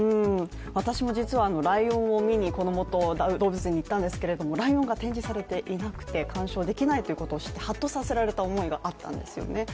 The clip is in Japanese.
私も実はあのライオンを見にこの動物園に行ったんですけれどもライオンが展示されていなくて鑑賞できないということをしてはっとさせられた思いがあったんですよね。